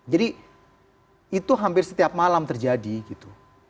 jadi itu hampir setiap malam terjadi gitu